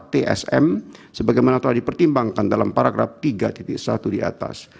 tsm sebagaimana telah dipertimbangkan dalam paragraf tiga satu di atas